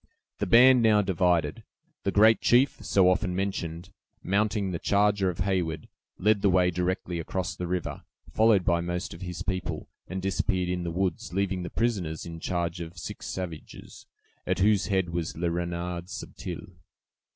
The band now divided. The great chief, so often mentioned, mounting the charger of Heyward, led the way directly across the river, followed by most of his people, and disappeared in the woods, leaving the prisoners in charge of six savages, at whose head was Le Renard Subtil.